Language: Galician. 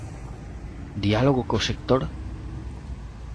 ¿Diálogo co sector?